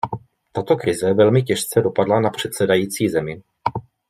Tato krize velmi těžce dopadla na předsedající zemi.